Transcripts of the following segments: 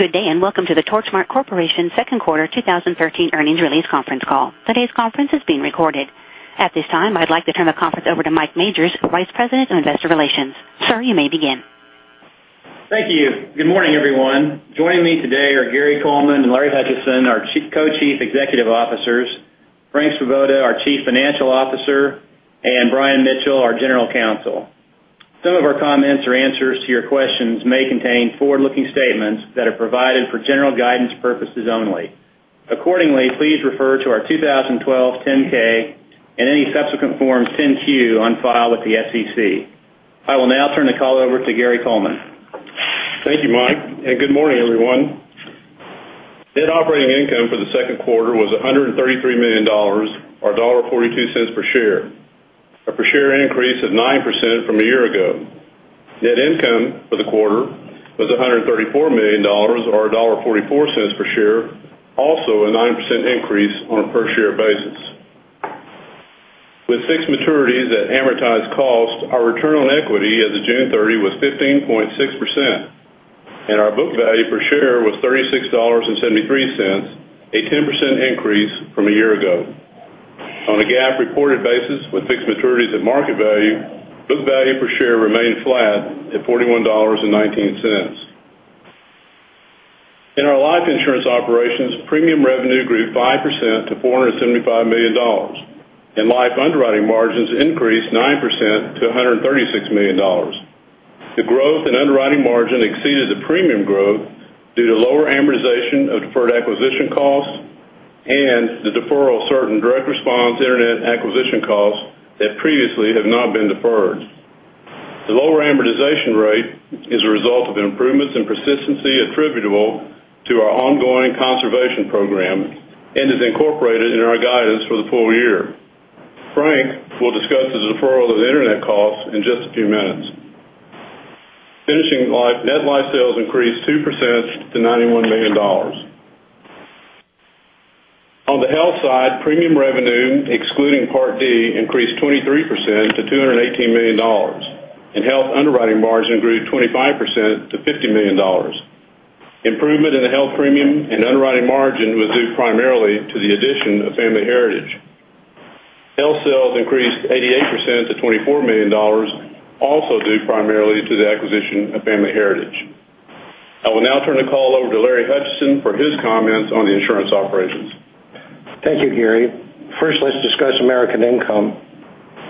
Good day, and welcome to the Torchmark Corporation second quarter 2013 earnings release conference call. Today's conference is being recorded. At this time, I'd like to turn the conference over to Mike Majors, Vice President of Investor Relations. Sir, you may begin. Thank you. Good morning, everyone. Joining me today are Gary Coleman and Larry Hutchison, our Co-Chief Executive Officers, Frank Svoboda, our Chief Financial Officer, and Brian Mitchell, our General Counsel. Some of our comments or answers to your questions may contain forward-looking statements that are provided for general guidance purposes only. Accordingly, please refer to our 2012 10-K and any subsequent form 10-Q on file with the SEC. I will now turn the call over to Gary Coleman. Thank you, Mike, and good morning, everyone. Net operating income for the second quarter was $133 million, or $1.42 per share, a per share increase of 9% from a year ago. Net income for the quarter was $134 million, or $1.44 per share, also a 9% increase on a per share basis. With fixed maturities at amortized cost, our return on equity as of June 30 was 15.6%, and our book value per share was $36.73, a 10% increase from a year ago. On a GAAP reported basis with fixed maturities at market value, book value per share remained flat at $41.19. In our life insurance operations, premium revenue grew 5% to $475 million, and life underwriting margins increased 9% to $136 million. The growth in underwriting margin exceeded the premium growth due to lower amortization of deferred acquisition costs and the deferral of certain Direct Response internet acquisition costs that previously have not been deferred. The lower amortization rate is a result of improvements in persistency attributable to our ongoing conservation program and is incorporated in our guidance for the full year. Frank will discuss the deferral of internet costs in just a few minutes. Finishing life, net life sales increased 2% to $91 million. On the health side, premium revenue, excluding Part D, increased 23% to $218 million, and health underwriting margin grew 25% to $50 million. Improvement in the health premium and underwriting margin was due primarily to the addition of Family Heritage. Health sales increased 88% to $24 million, also due primarily to the acquisition of Family Heritage. I will now turn the call over to Larry Hutchison for his comments on the insurance operations. Thank you, Gary. First, let's discuss American Income.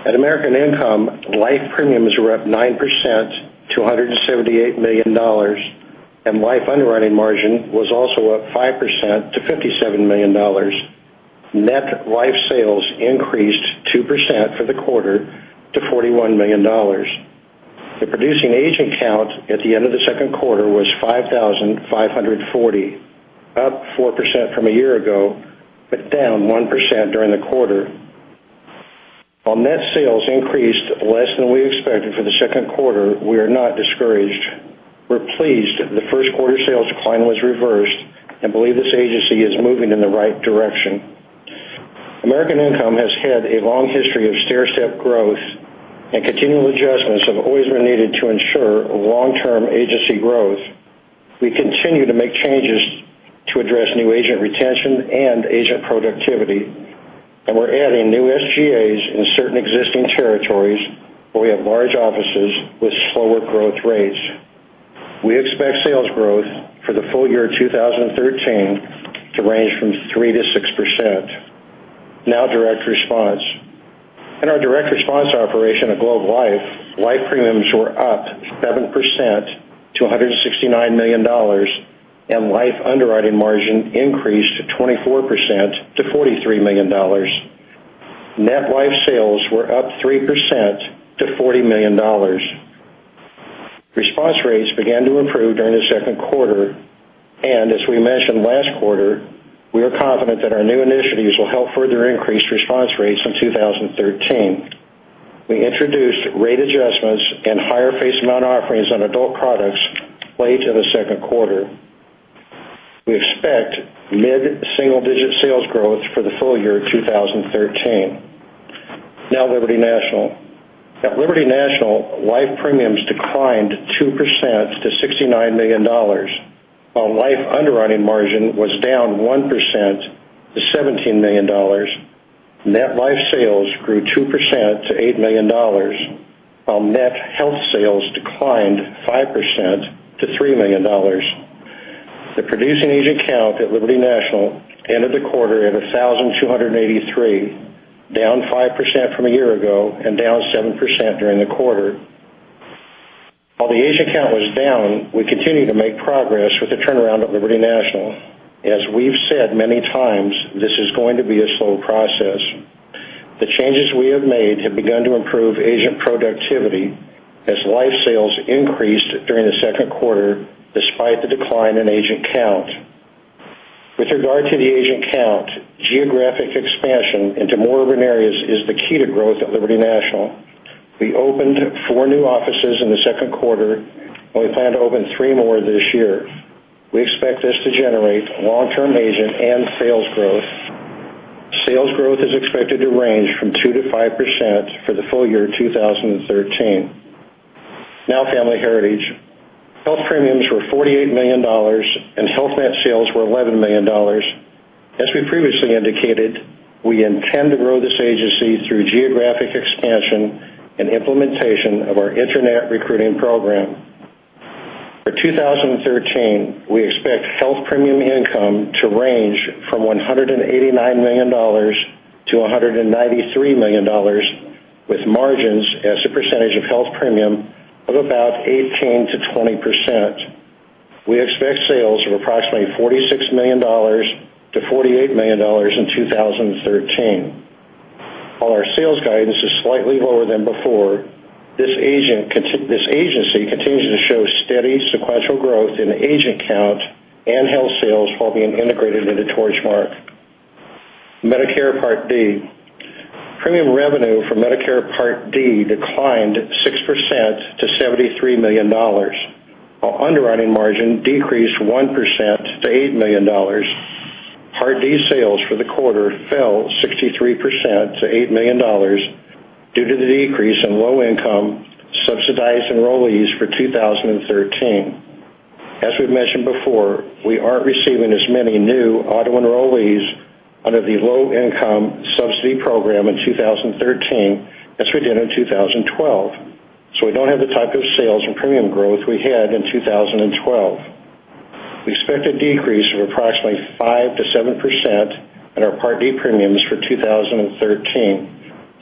At American Income, life premiums were up 9% to $178 million, and life underwriting margin was also up 5% to $57 million. Net life sales increased 2% for the quarter to $41 million. The producing agent count at the end of the second quarter was 5,540, up 4% from a year ago, but down 1% during the quarter. While net sales increased less than we expected for the second quarter, we are not discouraged. We're pleased that the first quarter sales decline was reversed and believe this agency is moving in the right direction. American Income has had a long history of stairstep growth, and continual adjustments have always been needed to ensure long-term agency growth. We continue to make changes to address new agent retention and agent productivity, we're adding new SGAs in certain existing territories where we have large offices with slower growth rates. We expect sales growth for the full year 2013 to range from 3%-6%. Now, Direct Response. In our Direct Response operation at Globe Life, life premiums were up 7% to $169 million, and life underwriting margin increased 24% to $43 million. Net life sales were up 3% to $40 million. Response rates began to improve during the second quarter, as we mentioned last quarter, we are confident that our new initiatives will help further increase response rates in 2013. We introduced rate adjustments and higher face amount offerings on adult products late in the second quarter. We expect mid-single-digit sales growth for the full year 2013. Now, Liberty National. At Liberty National, life premiums declined 2% to $69 million, while life underwriting margin was down 1% to $17 million. Net life sales grew 2% to $8 million, while net health sales declined 5% to $3 million. The producing agent count at Liberty National ended the quarter at 1,283, down 5% from a year ago and down 7% during the quarter. While the agent count was down, we continue to make progress with the turnaround at Liberty National. As we've said many times, this is going to be a slow process. The changes we have made have begun to improve agent productivity as life sales increased during the second quarter despite the decline in agent count. With regard to the agent count, geographic expansion into more urban areas is the key to growth at Liberty National. We opened four new offices in the second quarter, and we plan to open three more this year. We expect this to generate long-term agent and sales growth. Sales growth is expected to range from 2%-5% for the full year 2013. Family Heritage. Health premiums were $48 million, and health net sales were $11 million. As we previously indicated, we intend to grow this agency through geographic expansion and implementation of our internet recruiting program. For 2013, we expect health premium income to range from $189 million to $193 million, with margins as a percentage of health premium of about 18%-20%. We expect sales of approximately $46 million to $48 million in 2013. While our sales guidance is slightly lower than before, this agency continues to show steady sequential growth in agent count and health sales while being integrated into Torchmark. Medicare Part D. Premium revenue for Medicare Part D declined 6% to $73 million, while underwriting margin decreased 1% to $8 million. Part D sales for the quarter fell 63% to $8 million due to the decrease in low-income subsidized enrollees for 2013. As we've mentioned before, we aren't receiving as many new auto enrollees under the Low-Income Subsidy program in 2013 as we did in 2012. We don't have the type of sales and premium growth we had in 2012. We expect a decrease of approximately 5%-7% in our Part D premiums for 2013,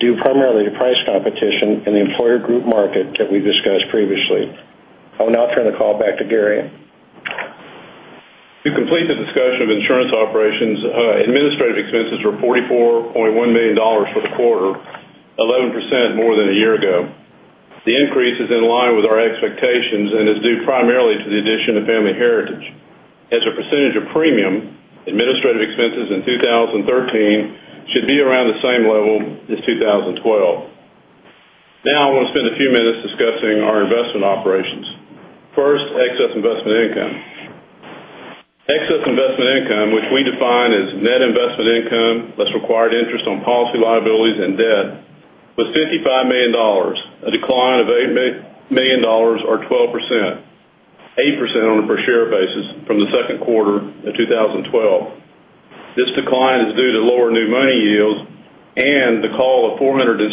due primarily to price competition in the employer group market that we discussed previously. I will now turn the call back to Gary. To complete the discussion of insurance operations, administrative expenses were $44.1 million for the quarter, 11% more than a year ago. The increase is in line with our expectations and is due primarily to the addition of Family Heritage. As a percentage of premium, administrative expenses in 2013 should be around the same level as 2012. I want to spend a few minutes discussing our investment operations. First, excess investment income. Excess investment income, which we define as net investment income, less required interest on policy liabilities and debt, was $55 million, a decline of $8 million or 12%, 8% on a per share basis from the second quarter of 2012. This decline is due to lower new money yields and the call of $467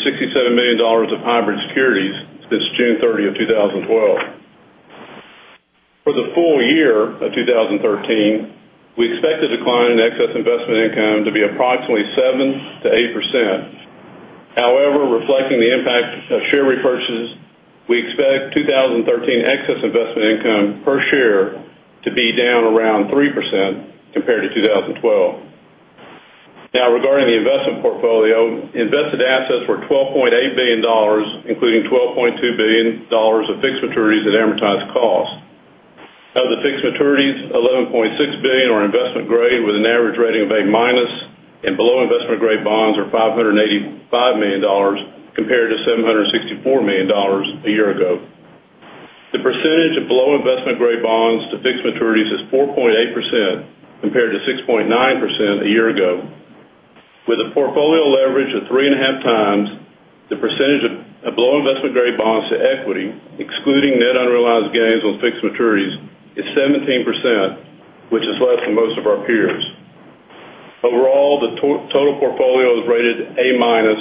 million of hybrid securities since June 30, 2012. For the full year of 2013, we expect the decline in excess investment income to be approximately 7%-8%. However, reflecting the impact of share repurchases, we expect 2013 excess investment income per share to be down around 3% compared to 2012. Regarding the investment portfolio, invested assets were $12.8 billion, including $12.2 billion of fixed maturities at amortized cost. Of the fixed maturities, $11.6 billion are investment grade with an average rating of A-minus, and below investment-grade bonds are $585 million compared to $764 million a year ago. The percentage of below investment-grade bonds to fixed maturities is 4.8%, compared to 6.9% a year ago. With a portfolio leverage of three and a half times, the percentage of below investment-grade bonds to equity, excluding net unrealized gains on fixed maturities, is 17%, which is less than most of our peers. Overall, the total portfolio is rated A-minus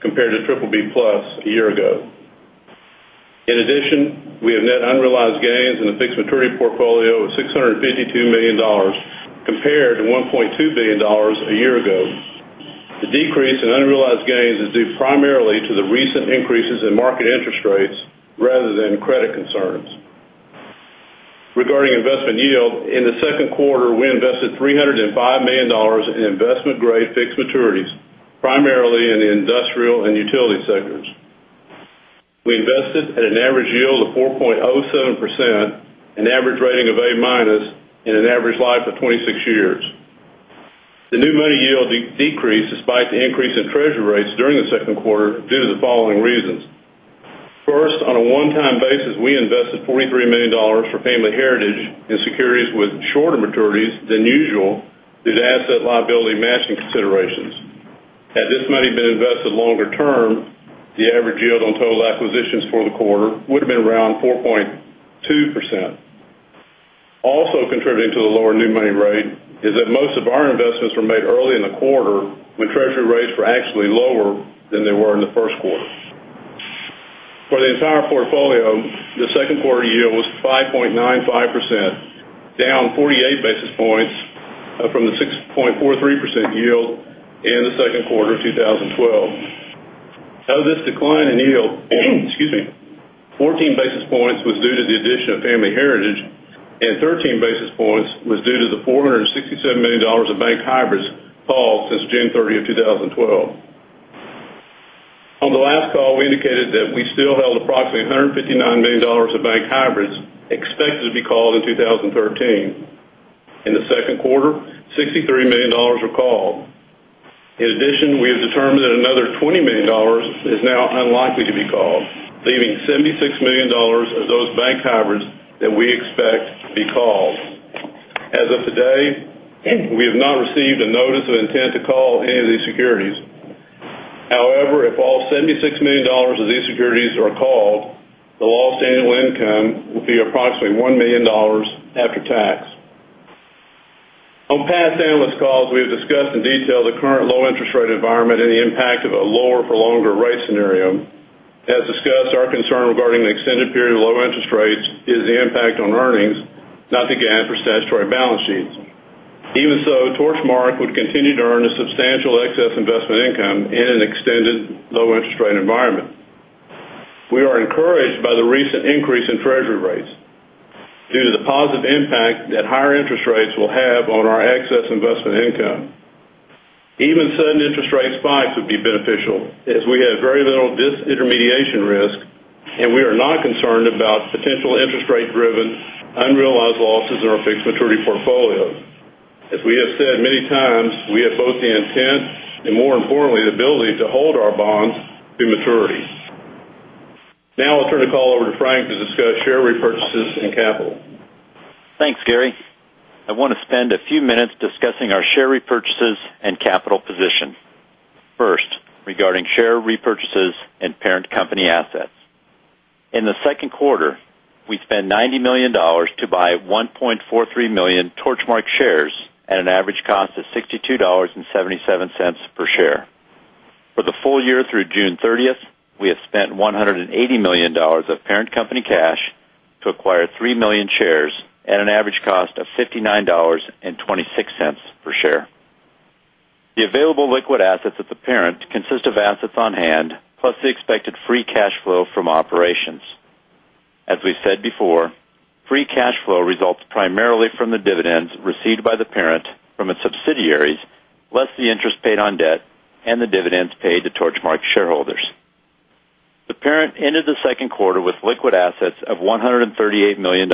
compared to triple B plus a year ago. In addition, we have net unrealized gains in the fixed maturity portfolio of $652 million compared to $1.2 billion a year ago. The decrease in unrealized gains is due primarily to the recent increases in market interest rates rather than credit concerns. Regarding investment yield, in the second quarter, we invested $305 million in investment-grade fixed maturities, primarily in the industrial and utility sectors. We invested at an average yield of 4.07%, an average rating of A-minus and an average life of 26 years. The new money yield decreased despite the increase in Treasury rates during the second quarter due to the following reasons. First, on a one-time basis, we invested $43 million for Family Heritage in securities with shorter maturities than usual due to asset liability matching considerations. Had this money been invested longer term, the average yield on total acquisitions for the quarter would have been around 4.2%. Also contributing to the lower new money rate is that most of our investments were made early in the quarter when Treasury rates were actually lower than they were in the first quarter. For the entire portfolio, the second quarter yield was 5.95%, down 48 basis points from the 6.43% yield in the second quarter of 2012. Of this decline in yield, excuse me, 14 basis points was due to the addition of Family Heritage, and 13 basis points was due to the $467 million of bank hybrids called since June 30, 2012. On the last call, we indicated that we still held approximately $159 million of bank hybrids expected to be called in 2013. In the second quarter, $63 million were called. In addition, we have determined that another $20 million is now unlikely to be called leaving $76 million of those bank hybrids that we expect to be called. As of today, we have not received a notice of intent to call any of these securities. However, if all $76 million of these securities are called, the lost annual income will be approximately $1 million after tax. On past analyst calls, we have discussed in detail the current low interest rate environment and the impact of a lower for longer rate scenario. As discussed, our concern regarding the extended period of low interest rates is the impact on earnings, not the GAAP or statutory balance sheets. Even so, Torchmark would continue to earn a substantial excess investment income in an extended low interest rate environment. We are encouraged by the recent increase in Treasury rates due to the positive impact that higher interest rates will have on our excess investment income. Even sudden interest rate spikes would be beneficial as we have very little disintermediation risk, and we are not concerned about potential interest rate-driven unrealized losses in our fixed maturity portfolios. As we have said many times, we have both the intent and, more importantly, the ability to hold our bonds to maturity. Now I'll turn the call over to Frank to discuss share repurchases and capital. Thanks, Gary. I want to spend a few minutes discussing our share repurchases and capital position. First, regarding share repurchases and parent company assets. In the second quarter, we spent $90 million to buy 1.43 million Torchmark shares at an average cost of $62.77 per share. For the full year through June 30th, we have spent $180 million of parent company cash to acquire 3 million shares at an average cost of $59.26 per share. The available liquid assets of the parent consist of assets on hand, plus the expected free cash flow from operations. As we've said before, free cash flow results primarily from the dividends received by the parent from its subsidiaries, less the interest paid on debt and the dividends paid to Torchmark shareholders. The parent ended the second quarter with liquid assets of $138 million,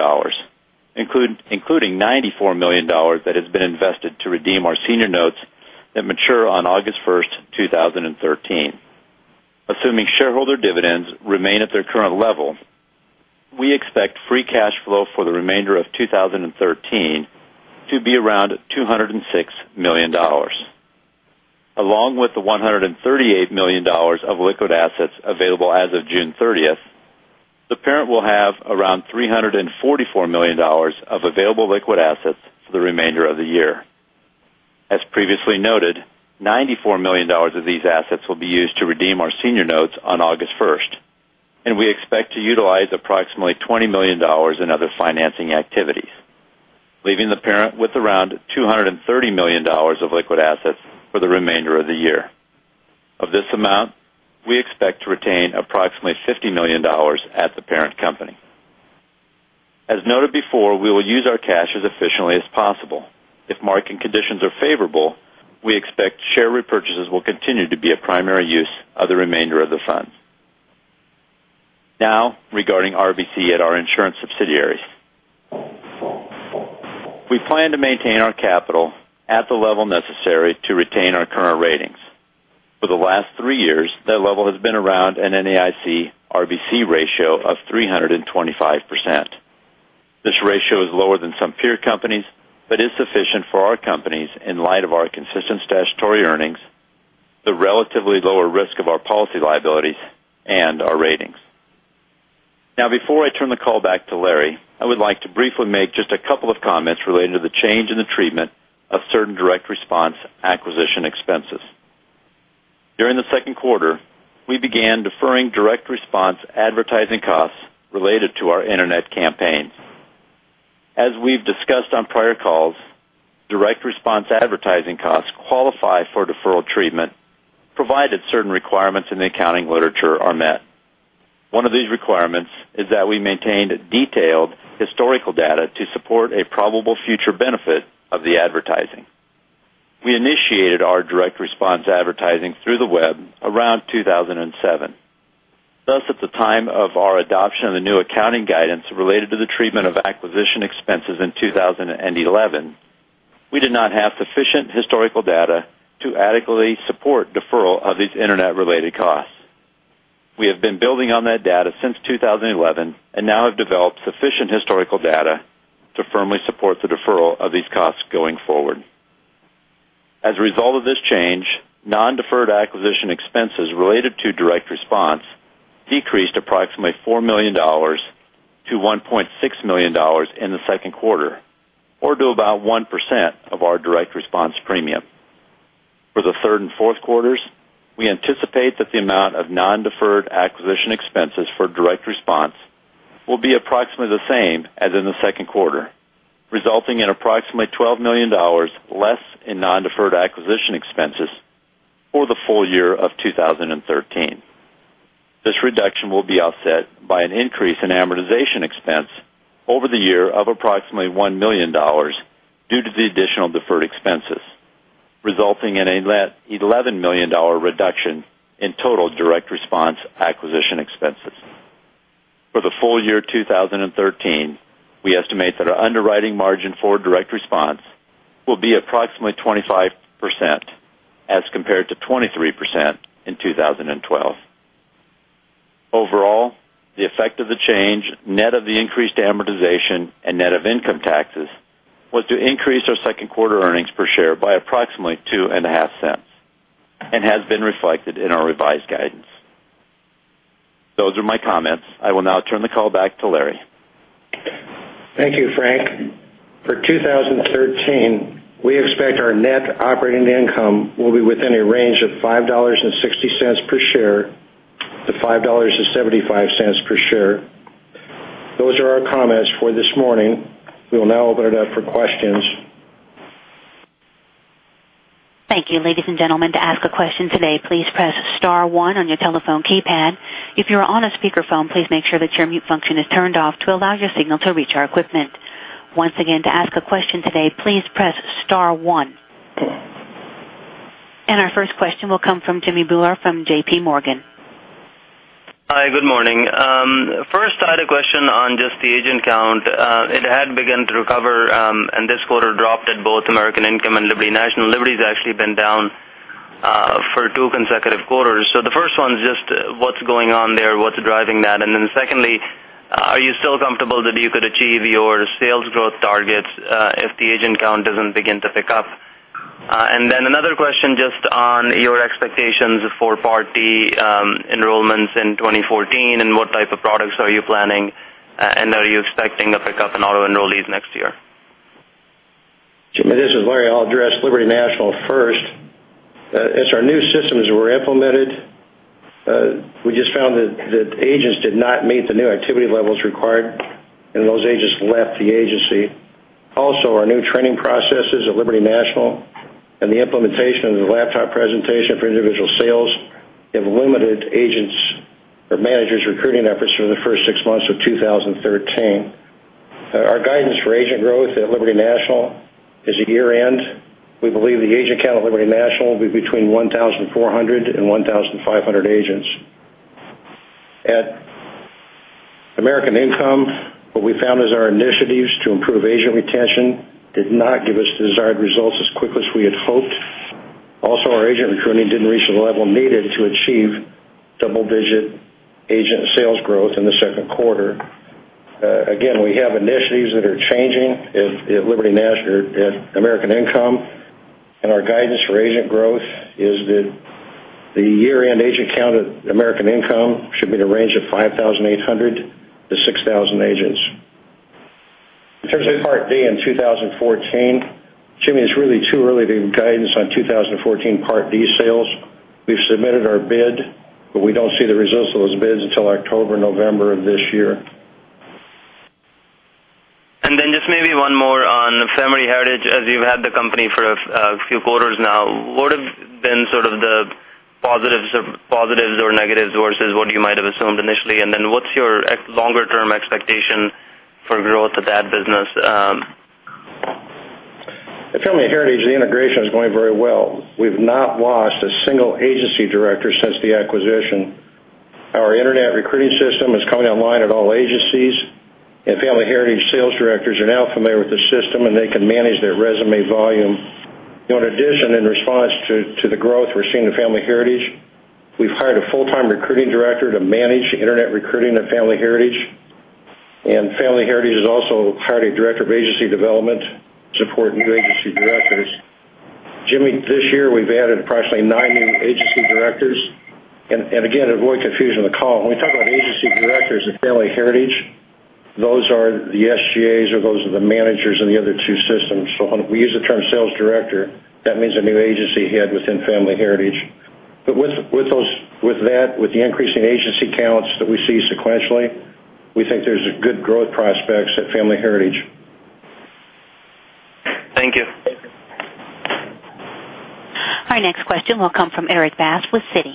including $94 million that has been invested to redeem our senior notes that mature on August 1st, 2013. Assuming shareholder dividends remain at their current level, we expect free cash flow for the remainder of 2013 to be around $206 million. Along with the $138 million of liquid assets available as of June 30th, the parent will have around $344 million of available liquid assets for the remainder of the year. As previously noted, $94 million of these assets will be used to redeem our senior notes on August 1st, and we expect to utilize approximately $20 million in other financing activities, leaving the parent with around $230 million of liquid assets for the remainder of the year. Of this amount, we expect to retain approximately $50 million at the parent company. As noted before, we will use our cash as efficiently as possible. If market conditions are favorable, we expect share repurchases will continue to be a primary use of the remainder of the funds. Regarding RBC at our insurance subsidiaries. We plan to maintain our capital at the level necessary to retain our current ratings. For the last three years, that level has been around an NAIC RBC ratio of 325%. This ratio is lower than some peer companies, but is sufficient for our companies in light of our consistent statutory earnings, the relatively lower risk of our policy liabilities, and our ratings. Before I turn the call back to Larry, I would like to briefly make just a couple of comments related to the change in the treatment of certain Direct Response acquisition expenses. During the second quarter, we began deferring Direct Response advertising costs related to our internet campaigns. As we've discussed on prior calls, Direct Response advertising costs qualify for deferral treatment, provided certain requirements in the accounting literature are met. One of these requirements is that we maintained detailed historical data to support a probable future benefit of the advertising. We initiated our Direct Response advertising through the web around 2007. Thus, at the time of our adoption of the new accounting guidance related to the treatment of acquisition expenses in 2011, we did not have sufficient historical data to adequately support deferral of these internet related costs. We have been building on that data since 2011 and now have developed sufficient historical data to firmly support the deferral of these costs going forward. As a result of this change, non-deferred acquisition expenses related to Direct Response decreased approximately $4 million to $1.6 million in the second quarter, or to about 1% of our Direct Response premium. For the third and fourth quarters, we anticipate that the amount of non-deferred acquisition expenses for Direct Response will be approximately the same as in the second quarter, resulting in approximately $12 million less in non-deferred acquisition expenses for the full year of 2013. This reduction will be offset by an increase in amortization expense over the year of approximately $1 million due to the additional deferred expenses, resulting in an $11 million reduction in total Direct Response acquisition expenses. For the full year 2013, we estimate that our underwriting margin for Direct Response will be approximately 25%, as compared to 23% in 2012. Overall, the effect of the change, net of the increased amortization and net of income taxes, was to increase our second quarter earnings per share by approximately $0.025, and has been reflected in our revised guidance. Those are my comments. I will now turn the call back to Larry. Thank you, Frank. For 2013, we expect our net operating income will be within a range of $5.60 per share to $5.75 per share. Those are our comments for this morning. We will now open it up for questions. Thank you. Ladies and gentlemen, to ask a question today, please press *1 on your telephone keypad. If you are on a speakerphone, please make sure that your mute function is turned off to allow your signal to reach our equipment. Once again, to ask a question today, please press *1. Our first question will come from Jimmy Bhullar from JPMorgan. Hi, good morning. First, I had a question on just the agent count. It had begun to recover, and this quarter dropped at both American Income and Liberty National. Liberty's actually been down for two consecutive quarters. The first one's just what's going on there, what's driving that? Secondly, are you still comfortable that you could achieve your sales growth targets if the agent count doesn't begin to pick up? Another question just on your expectations for Part D enrollments in 2014, and what type of products are you planning, and are you expecting a pickup in auto enrollees next year? Jimmy, this is Larry. I'll address Liberty National first. As our new systems were implemented, we just found that agents did not meet the new activity levels required, and those agents left the agency. Also, our new training processes at Liberty National and the implementation of the laptop presentation for individual sales have limited agents' or managers' recruiting efforts for the first six months of 2013. Our guidance for agent growth at Liberty National is at year-end, we believe the agent count at Liberty National will be between 1,400 and 1,500 agents. At American Income, what we found is our initiatives to improve agent retention did not give us the desired results as quickly as we had hoped. Also, our agent recruiting didn't reach the level needed to achieve double-digit agent sales growth in the second quarter. Again, we have initiatives that are changing at American Income, and our guidance for agent growth is that the year-end agent count at American Income should be in the range of 5,800 to 6,000 agents. In terms of Part D in 2014, Jimmy, it's really too early to give guidance on 2014 Part D sales. We've submitted our bid, but we don't see the results of those bids until October, November of this year. Just maybe one more on Family Heritage, as you've had the company for a few quarters now. What have been sort of the positives or negatives versus what you might have assumed initially? What's your longer term expectation for growth of that business? At Family Heritage, the integration is going very well. We've not lost a single agency director since the acquisition. Our internet recruiting system is coming online at all agencies, and Family Heritage sales directors are now familiar with the system, and they can manage their resume volume. In addition, in response to the growth we're seeing at Family Heritage, we've hired a full-time recruiting director to manage internet recruiting at Family Heritage. Family Heritage has also hired a director of agency development to support new agency directors. Jimmy, this year we've added approximately nine new agency directors. Again, to avoid confusion on the call, when we talk about agency directors at Family Heritage, those are the SGAs or those are the managers in the other two systems. When we use the term sales director, that means a new agency head within Family Heritage. With the increase in agency counts that we see sequentially, we think there's good growth prospects at Family Heritage. Thank you. Our next question will come from Erik Bass with Citi.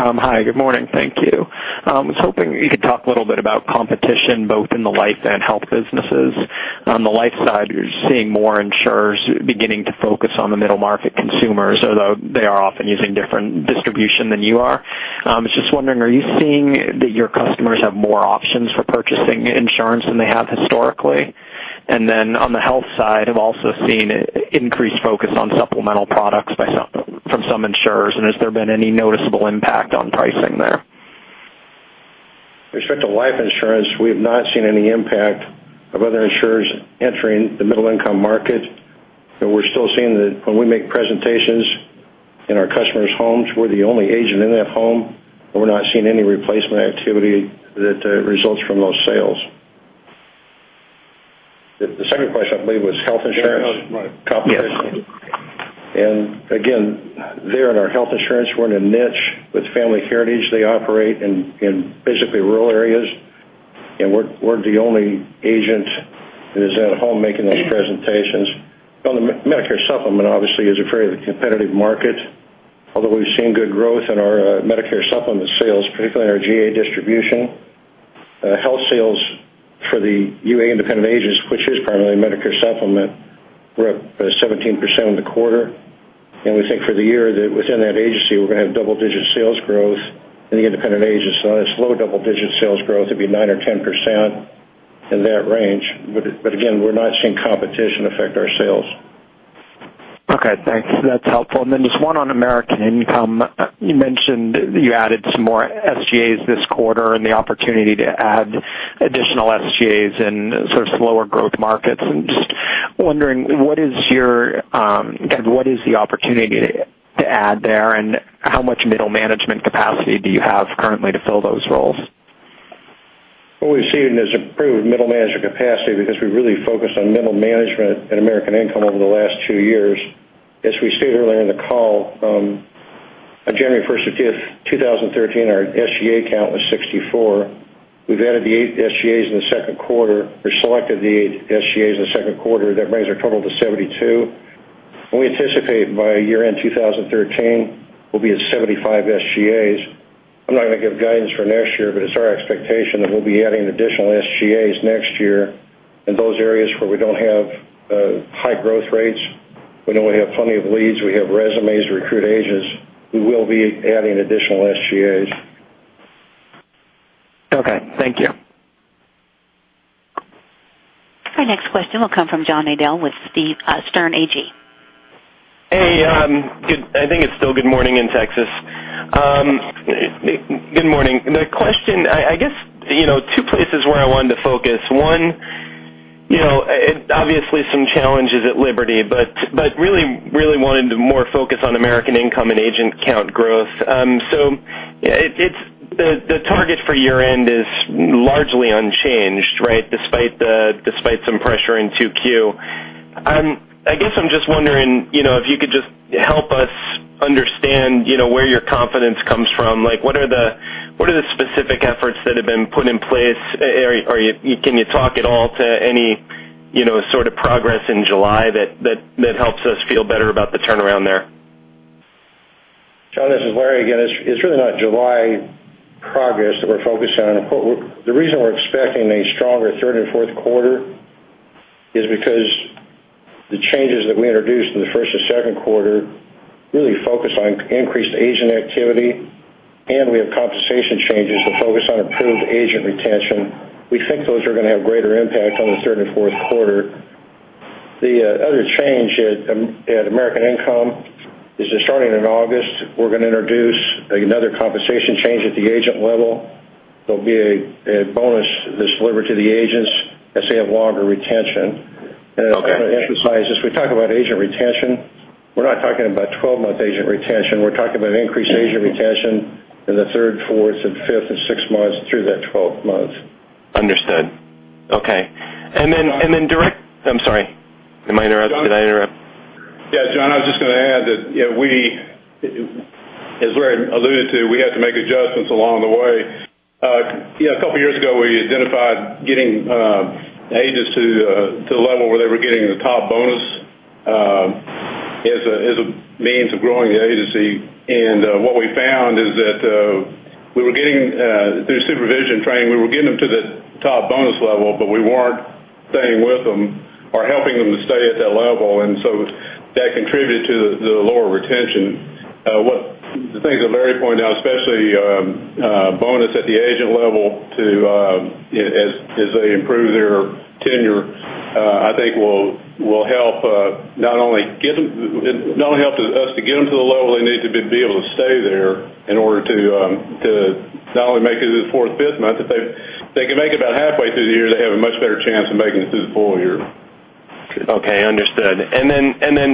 Hi, good morning. Thank you. I was hoping you could talk a little bit about competition both in the life and health businesses. On the life side, you're seeing more insurers beginning to focus on the middle market consumers, although they are often using different distribution than you are. I was just wondering, are you seeing that your customers have more options for purchasing insurance than they have historically? On the health side, I've also seen increased focus on supplemental products from some insurers, and has there been any noticeable impact on pricing there? With respect to life insurance, we have not seen any impact of other insurers entering the middle income market. We're still seeing that when we make presentations in our customers' homes, we're the only agent in that home, and we're not seeing any replacement activity that results from those sales. The second question, I believe, was health insurance. Yes. Again, there in our health insurance, we're in a niche with Family Heritage. They operate in basically rural areas, and we're the only agent that is at home making those presentations. On the Medicare supplement, obviously, is a very competitive market, although we've seen good growth in our Medicare supplement sales, particularly in our GA distribution. Health sales for the UA independent agents, which is primarily Medicare supplement, were up 17% in the quarter. We think for the year that within that agency, we're going to have double-digit sales growth in the independent agents. That's low double-digit sales growth, it'd be 9% or 10%, in that range. Again, we're not seeing competition affect our sales. Okay, thanks. That's helpful. Just one on American Income. You mentioned you added some more SGAs this quarter and the opportunity to add additional SGAs in sort of slower growth markets. I'm just wondering, what is the opportunity to add there, and how much middle management capacity do you have currently to fill those roles? What we've seen is improved middle management capacity because we really focused on middle management at American Income over the last two years. As we stated earlier in the call, on January 1, 2013, our SGA count was 64. We've added the 8 SGAs in the second quarter, or selected the 8 SGAs in the second quarter. That brings our total to 72. We anticipate by year-end 2013, we'll be at 75 SGAs. I'm not going to give guidance for next year, it's our expectation that we'll be adding additional SGAs next year in those areas where we don't have high growth rates. We know we have plenty of leads. We have resumes to recruit agents. We will be adding additional SGAs. Okay, thank you. Our next question will come from John Nadel with Sterne Agee. Hey. I think it's still good morning in Texas. Good morning. The question, I guess, two places where I wanted to focus. One, obviously some challenges at Liberty, but really wanted to more focus on American Income and agent count growth. The target for year-end is largely unchanged, right, despite some pressure in 2Q. I guess I'm just wondering if you could just help us understand where your confidence comes from. What are the specific efforts that have been put in place? Or can you talk at all to any sort of progress in July that helps us feel better about the turnaround there? John, this is Larry again. It's really not July progress that we're focused on. The reason we're expecting a stronger third and fourth quarter is because the changes that we introduced in the first and second quarter really focus on increased agent activity, and we have compensation changes that focus on improved agent retention. We think those are going to have greater impact on the third and fourth quarter. The other change at American Income is that starting in August, we're going to introduce another compensation change at the agent level. There'll be a bonus that's delivered to the agents as they have longer retention. Okay. I kind of emphasize this, we talk about agent retention, we're not talking about 12-month agent retention. We're talking about increased agent retention in the third, fourth, fifth, and sixth months through that 12 months. Understood. Okay. I'm sorry. Did I interrupt? Yeah, John, I was just going to add that as Larry alluded to, we had to make adjustments along the way. A couple of years ago, we identified getting agents to the level where they were getting the top bonus as a means of growing the agency. What we found is that through supervision training, we were getting them to the top bonus level, but we weren't staying with them or helping them to stay at that level, and so that contributed to the lower retention. The things that Larry pointed out, especially bonus at the agent level as they improve their tenure, I think will not only help us to get them to the level they need to be able to stay there in order to not only make it to the fourth, fifth month. If they can make it about halfway through the year, they have a much better chance of making it through the full year. Okay, understood. Then,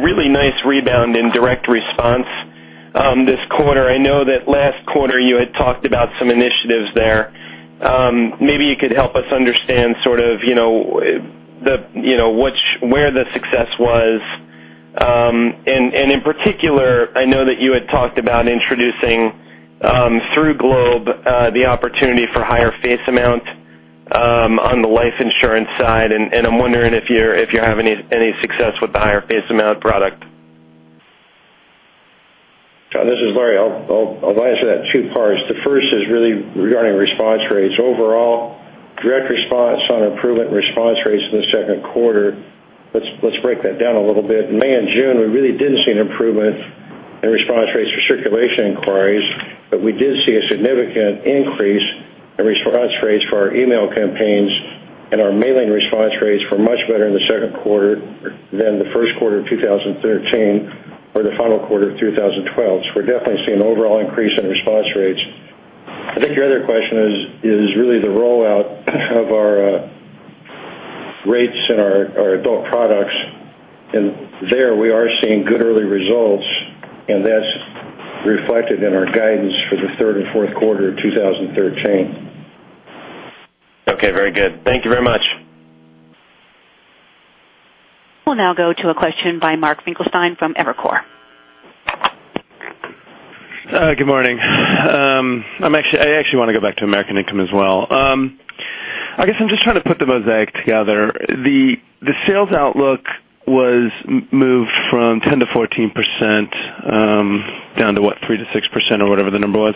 really nice rebound in Direct Response this quarter. I know that last quarter you had talked about some initiatives there. Maybe you could help us understand where the success was. In particular, I know that you had talked about introducing through Globe Life the opportunity for higher face amount on the life insurance side, and I'm wondering if you have any success with the higher face amount product. John, this is Larry. I'll answer that in two parts. The first is really regarding response rates. Overall, Direct Response saw an improvement in response rates in the second quarter. Let's break that down a little bit. May and June, we really didn't see an improvement in response rates for circulation inquiries, but we did see a significant increase in response rates for our email campaigns, and our mailing response rates were much better in the second quarter than the first quarter of 2013 or the final quarter of 2012. We're definitely seeing an overall increase in response rates. I think your other question is really the rollout of our rates and our adult products, there we are seeing good early results, and that's reflected in our guidance for the third and fourth quarter of 2013. Okay, very good. Thank you very much. We'll now go to a question by Mark Finkelstein from Evercore. Good morning. I actually want to go back to American Income as well. I guess I'm just trying to put the mosaic together. The sales outlook was moved from 10%-14%, down to what? 3%-6%, or whatever the number was.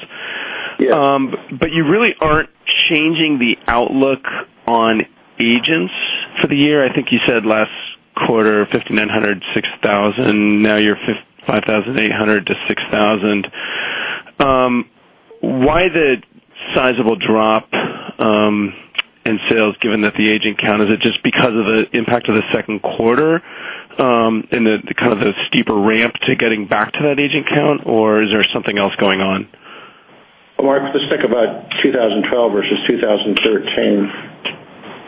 You really aren't changing the outlook on agents for the year. I think you said last quarter, 5,900, 6,000. Now you're 5,800-6,000. Why the sizable drop in sales, given that the agent count? Is it just because of the impact of the second quarter and the steeper ramp to getting back to that agent count? Or is there something else going on? Mark, let's think about 2012 versus 2013.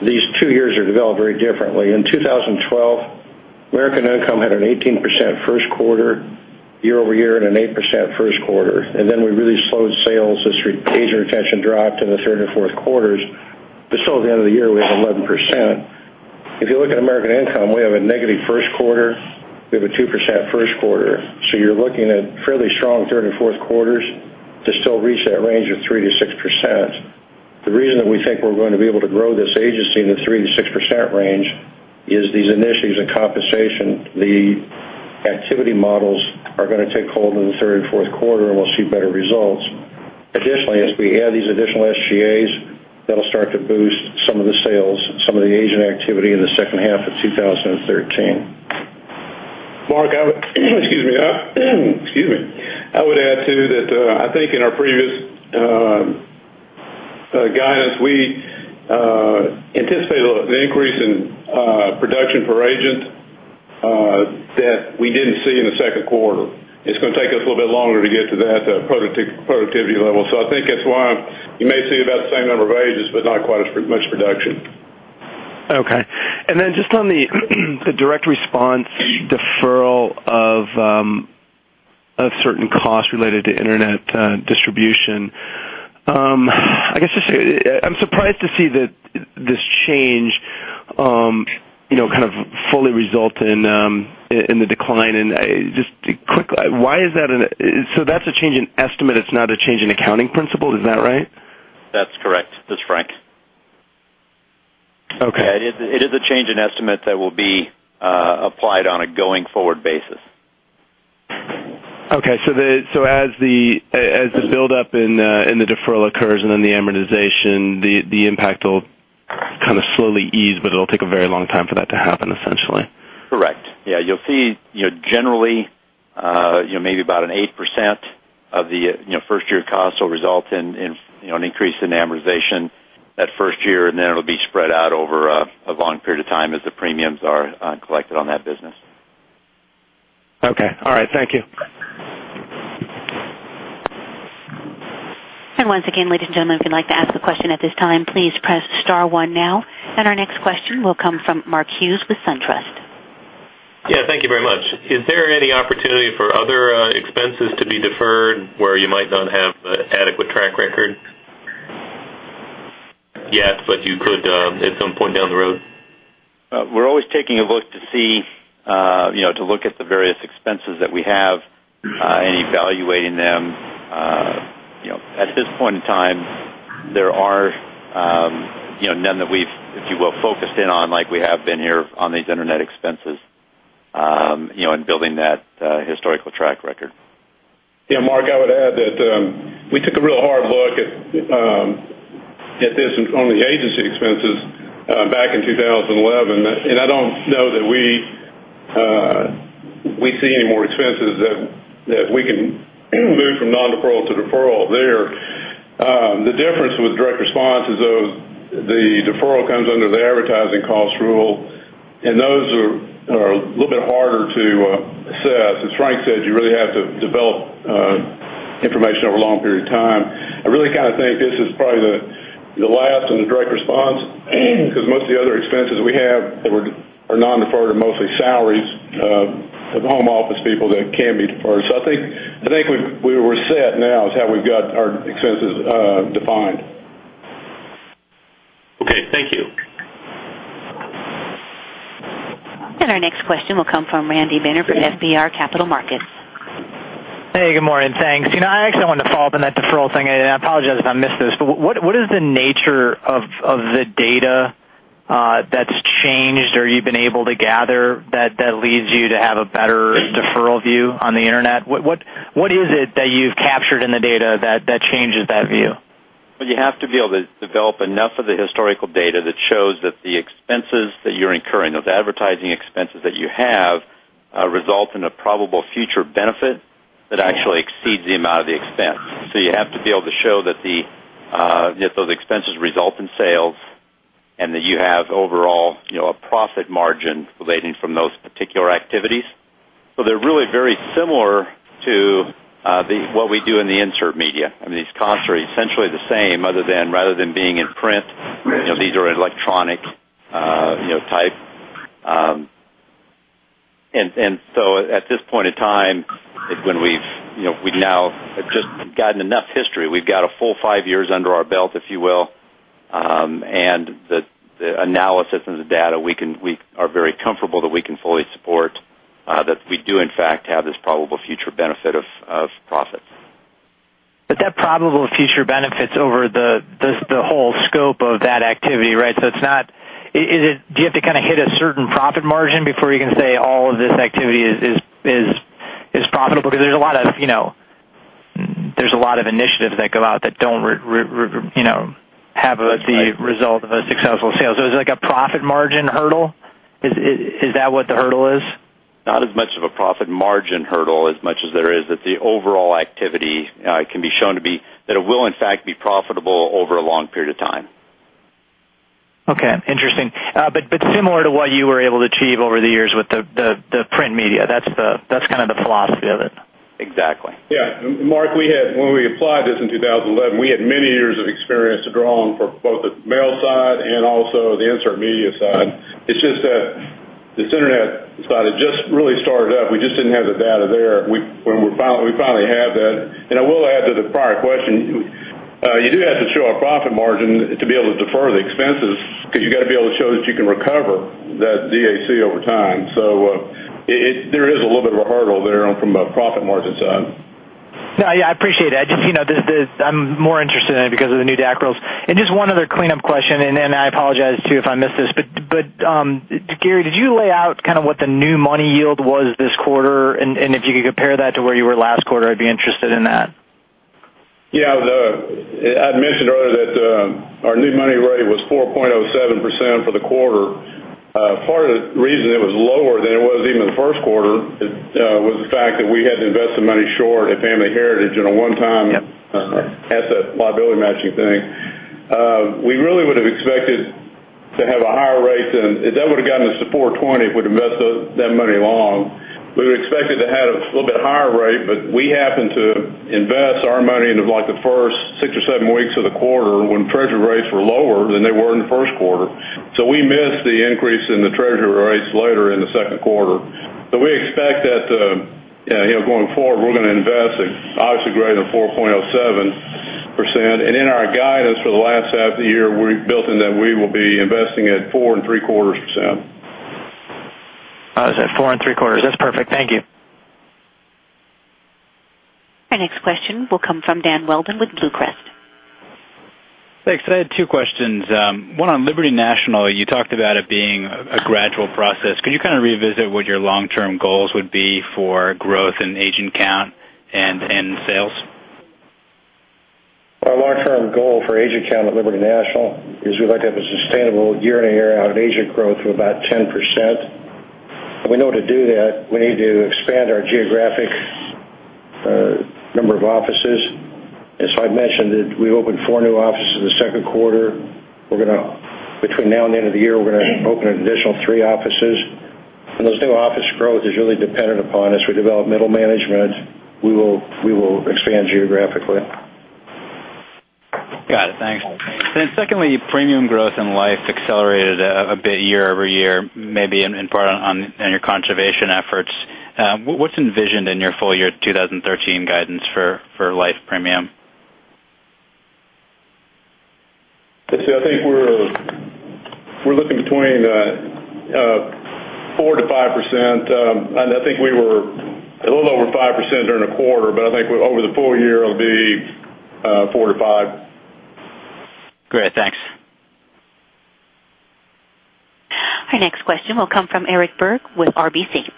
These two years have developed very differently. In 2012, American Income had an 18% first quarter year-over-year and an 8% first quarter. Then we really slowed sales as agent retention dropped in the third and fourth quarters. Still, at the end of the year, we had 11%. If you look at American Income, we have a negative first quarter. We have a 2% second quarter. You're looking at fairly strong third and fourth quarters to still reach that range of 3%-6%. The reason that we think we're going to be able to grow this agency in the 3%-6% range is these initiatives in compensation. The activity models are going to take hold in the third and fourth quarter, and we'll see better results. Additionally, as we add these additional SGAs, that'll start to boost some of the sales, some of the agent activity in the second half of 2013. Mark, I would add, too, that I think in our previous guidance, we anticipated an increase in production per agent that we didn't see in the second quarter. It's going to take us a little bit longer to get to that productivity level. I think that's why you may see about the same number of agents, but not quite as much production. Okay. Then just on the Direct Response deferral of certain costs related to internet distribution. I guess just I'm surprised to see that this change kind of fully result in the decline. That's a change in estimate. It's not a change in accounting principle. Is that right? That's correct. This is Frank. Okay. It is a change in estimate that will be applied on a going-forward basis. As the buildup in the deferral occurs and then the amortization, the impact will kind of slowly ease, but it'll take a very long time for that to happen, essentially. Correct. Yeah, you'll see generally maybe about an 8% of the first-year cost will result in an increase in amortization that first year, and then it'll be spread out over a long period of time as the premiums are collected on that business. Okay. All right. Thank you. Once again, ladies and gentlemen, if you'd like to ask a question at this time, please press star one now. Our next question will come from Mark Hughes with SunTrust. Yeah, thank you very much. Is there any opportunity for other expenses to be deferred where you might not have adequate track record yet, but you could at some point down the road? We're always taking a look to see, to look at the various expenses that we have and evaluating them. At this point in time, there are none that we've, if you will, focused in on like we have been here on these internet expenses, and building that historical track record. Yeah, Mark, I would add that we took a real hard look at this on the agency expenses back in 2011. I don't know that we see any more expenses that we can move from non-deferral to deferral there. The difference with Direct Response is though the deferral comes under the advertising cost rule, and those are a little bit harder to assess. As Frank said, you really have to develop information over a long period of time. I really kind of think this is probably the last in the Direct Response because most of the other expenses we have that were non-deferred are mostly salaries of home office people that can be deferred. I think we're set now as how we've got our expenses defined. Okay. Thank you. Our next question will come from Randy Binner with FBR Capital Markets. Hey, good morning. Thanks. I actually want to follow up on that deferral thing, and I apologize if I missed this, but what is the nature of the data that's changed or you've been able to gather that leads you to have a better deferral view on the internet? What is it that you've captured in the data that changes that view? Well, you have to be able to develop enough of the historical data that shows that the expenses that you're incurring, those advertising expenses that you have, result in a probable future benefit that actually exceeds the amount of the expense. You have to be able to show that those expenses result in sales and that you have overall a profit margin relating from those particular activities. They're really very similar to what we do in the insert media. I mean, these costs are essentially the same other than rather than being in print, these are electronic type. So at this point in time, when we now have just gotten enough history, we've got a full five years under our belt, if you will. The analysis and the data, we are very comfortable that we can fully support, that we do in fact have this probable future benefit of profits. That probable future benefit's over the scope of that activity, right? Do you have to kind of hit a certain profit margin before you can say all of this activity is profitable? There's a lot of initiatives that go out that don't have the result of a successful sale. Is it like a profit margin hurdle? Is that what the hurdle is? Not as much of a profit margin hurdle as much as there is that the overall activity can be shown to be that it will, in fact, be profitable over a long period of time. Okay, interesting. Similar to what you were able to achieve over the years with the print media, that's kind of the philosophy of it. Exactly. Yeah. Mark, when we applied this in 2011, we had many years of experience to draw on for both the mail side and also the insert media side. It's just that this internet side had just really started up. We just didn't have the data there. We finally have that, I will add to the prior question, you do have to show a profit margin to be able to defer the expenses because you got to be able to show that you can recover that DAC over time. There is a little bit of a hurdle there from a profit margin side. No, yeah. I appreciate that. I'm more interested in it because of the new DAC rules. Just one other cleanup question, then I apologize too if I missed this, but Gary, did you lay out kind of what the new money yield was this quarter? If you could compare that to where you were last quarter, I'd be interested in that. Yeah. I mentioned earlier that our new money rate was 4.07% for the quarter. Part of the reason it was lower than it was even the first quarter was the fact that we had to invest some money short at Family Heritage in a one-time- Yep asset liability matching thing. We really would have expected to have a higher rate than, that would've gotten us to 4.20 if we'd have invested that money long. We were expecting to have a little bit higher rate, we happened to invest our money in the first six or seven weeks of the quarter when Treasury rates were lower than they were in the first quarter. We missed the increase in the Treasury rates later in the second quarter. We expect that, going forward, we're going to invest at obviously greater than 4.07%. In our guidance for the last half of the year, we built in that we will be investing at 4.75%. 4.75%. That's perfect. Thank you. Our next question will come from Dan Welden with BlueCrest. Thanks. I had two questions. One on Liberty National. You talked about it being a gradual process. Can you kind of revisit what your long-term goals would be for growth in agent count and in sales? Our long-term goal for agent count at Liberty National is we'd like to have a sustainable year-on-year out of agent growth of about 10%. We know to do that, we need to expand our geographic number of offices. As I mentioned, we opened four new offices in the second quarter. Between now and the end of the year, we're going to open an additional three offices. Those new office growth is really dependent upon as we develop middle management, we will expand geographically. Got it. Thanks. Secondly, premium growth in life accelerated a bit year-over-year, maybe in part on your conservation efforts. What's envisioned in your full year 2013 guidance for life premium? I think we're looking between 4%-5%, and I think we were a little over 5% during the quarter, but I think over the full year, it'll be 4%-5%. Great. Thanks. Our next question will come from Eric Berg with RBC.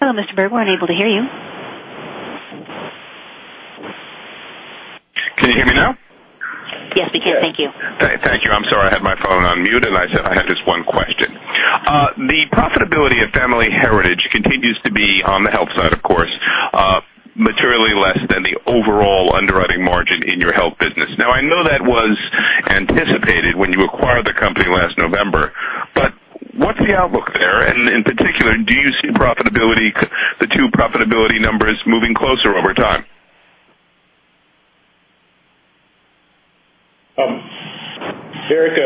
Hello, Mr. Berg, we're unable to hear you. Can you hear me now? Yes, we can. Thank you. Thank you. I'm sorry. I had my phone on mute, and I had just one question. The profitability of Family Heritage continues to be on the health side, of course, materially less than the overall underwriting margin in your health business. I know that was anticipated when you acquired the company last November, what's the outlook there? In particular, do you see the two profitability numbers moving closer over time? Eric,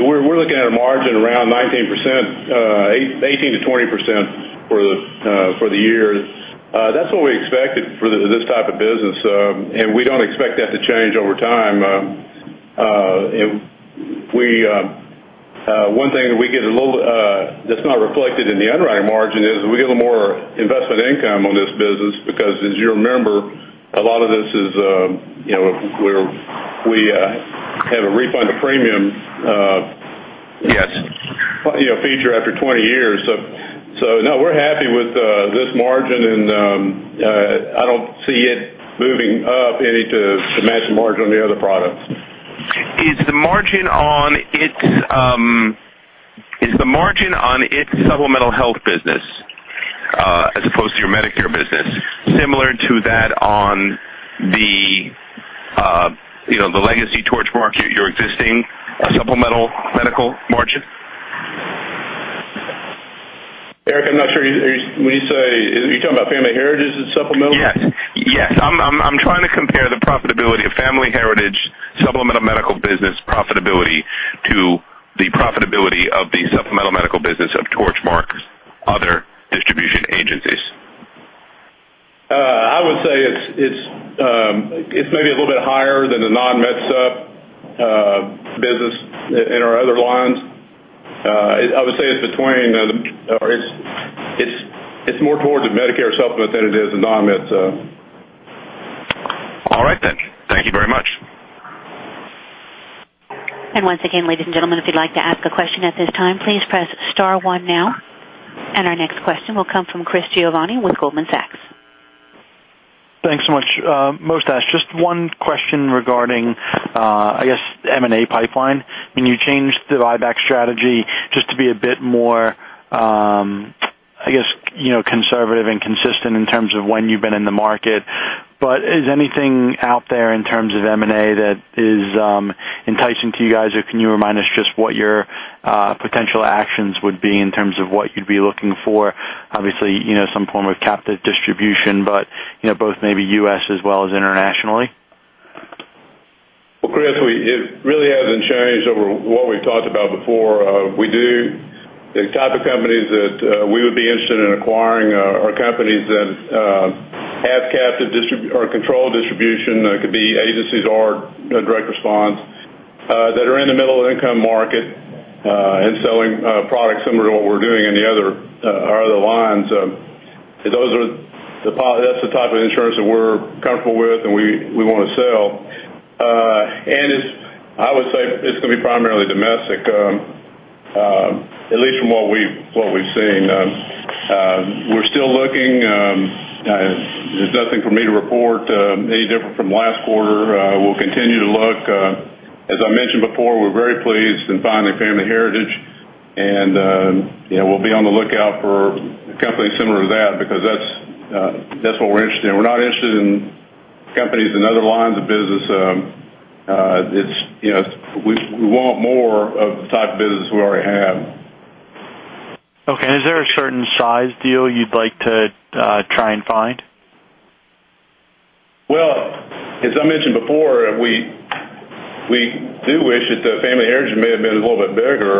we're looking at a margin around 19%, 18%-20% for the year. That's what we expected for this type of business, and we don't expect that to change over time. One thing that's not reflected in the underwriting margin is we get a little more investment income on this business because, as you remember, a lot of this is we have a refund, a premium- Yes feature after 20 years. No, we're happy with this margin, and I don't see it moving up any to match the margin on the other products. Is the margin on its supplemental health business, as opposed to your Medicare business, similar to that on the legacy Torchmark, your existing supplemental medical margin? Eric, I'm not sure. Are you talking about Family Heritage's supplemental? Yes. I'm trying to compare the profitability of Family Heritage supplemental medical business profitability to the profitability of the supplemental medical business of Torchmark's other distribution agencies. I would say it's maybe a little bit higher than in our other lines. I would say it's more towards a Medicare supplement than it is a non-med. All right. Thank you very much. Once again, ladies and gentlemen, if you'd like to ask a question at this time, please press star one now. Our next question will come from Chris Giovanni with Goldman Sachs. Thanks so much. Moesh, just one question regarding, I guess, M&A pipeline. When you changed the buyback strategy just to be a bit more, I guess, conservative and consistent in terms of when you've been in the market. Is anything out there in terms of M&A that is enticing to you guys, or can you remind us just what your potential actions would be in terms of what you'd be looking for? Obviously, some form of captive distribution, but both maybe U.S. as well as internationally. Well, Chris, it really hasn't changed over what we've talked about before. The type of companies that we would be interested in acquiring are companies that have captive or controlled distribution. It could be agencies or Direct Response, that are in the middle income market, and selling products similar to what we're doing in our other lines. That's the type of insurance that we're comfortable with and we want to sell. I would say it's going to be primarily domestic, at least from what we've seen. We're still looking. There's nothing for me to report any different from last quarter. We'll continue to look. As I mentioned before, we're very pleased in finding Family Heritage, and we'll be on the lookout for companies similar to that because that's what we're interested in. We're not interested in companies in other lines of business. We want more of the type of business we already have. Okay. Is there a certain size deal you'd like to try and find? Well, as I mentioned before, we do wish that the Family Heritage may have been a little bit bigger.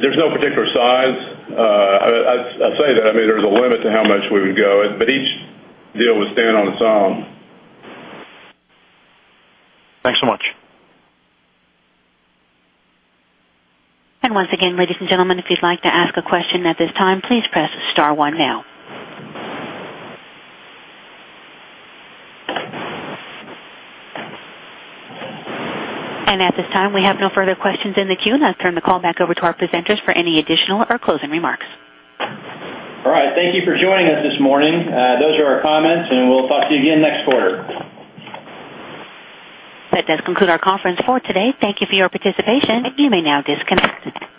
There's no particular size. I say that, there's a limit to how much we would go, but each deal would stand on its own. Thanks so much. Once again, ladies and gentlemen, if you'd like to ask a question at this time, please press star one now. At this time, we have no further questions in the queue. I'll turn the call back over to our presenters for any additional or closing remarks. All right. Thank you for joining us this morning. Those are our comments, and we'll talk to you again next quarter. That does conclude our conference for today. Thank you for your participation. You may now disconnect.